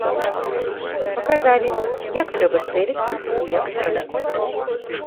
Паказалі, як трэба цэліцца і як страляць.